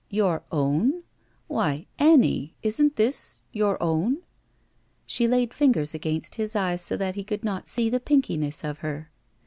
'' Your own ? Why, Annie, isn't this — ^your own ?'' She laid fingers against his eyes so that he could not see the pinkiness of her.